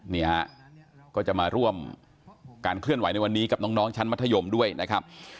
นี่ฮะก็จะมาร่วมการเคลื่อนไหวในวันนี้กับน้องชั้นมัธยมด้วยนะครับ